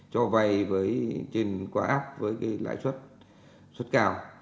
cho vai với trên qua app với cái lãi suất cao